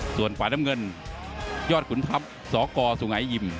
ส่วนฝ่ายน้ำเงินยอดคุณครับศกสุงัยยิม